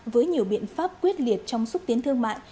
với nhiều biện pháp quyết liệt trong xúc tiến thương mại